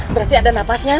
berarti ada nafasnya